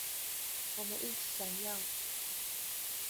我們一起享用